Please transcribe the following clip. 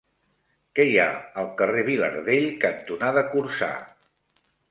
Què hi ha al carrer Vilardell cantonada Corçà?